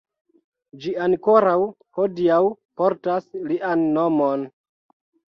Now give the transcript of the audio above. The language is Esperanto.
Ĝi ankoraŭ hodiaŭ portas lian nomon.